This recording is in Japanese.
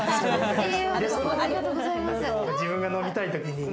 自分が飲みたいときに。